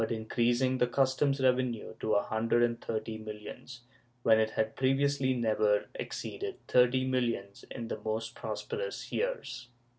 II] IMPROVEMENT 487 creasing the customs revenue to a hundred and thirty millions when it had previously never exceeded thirty millions in the most prosperous years.